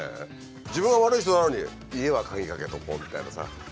自分は悪い人なのに家は鍵かけておこうみたいなさ。